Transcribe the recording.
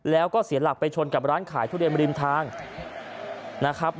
แล้วก็เสียหลักไปชนกับร้านขายทุเรียนริมทางนะครับ